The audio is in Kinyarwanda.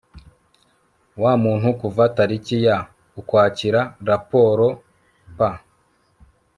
wamuntu kuva tariki ya Ukwakira Raporo p